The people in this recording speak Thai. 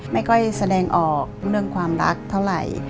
ไม่ค่อยแสดงออกเรื่องความรักเท่าไหร่